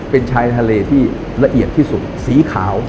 เป็นชายทะเลที่ละเอียดที่สุดสีขาว